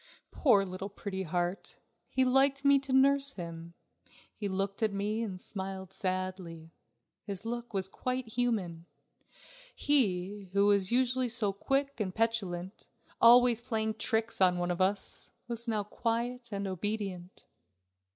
Poor little Pretty Heart! he liked me to nurse him. He looked at me and smiled sadly. His look was quite human. He, who was usually so quick and petulant, always playing tricks on one of us, was now quiet and obedient.